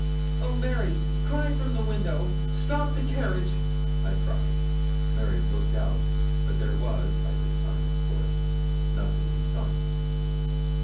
'Oh, Mary, cry from the window. Stop the carriage!' I cried. Mary looked out, but there was by this time, of course, nothing in sight.